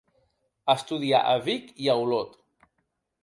Estudià a Vic i a Olot.